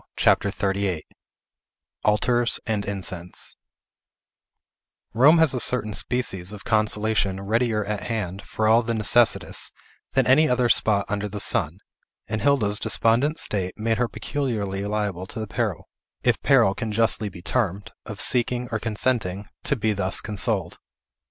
CHAPTER XXXVIII ALTARS AND INCENSE Rome has a certain species of consolation readier at hand, for all the necessitous, than any other spot under the sun; and Hilda's despondent state made her peculiarly liable to the peril, if peril it can justly be termed, of seeking, or consenting, to be thus consoled.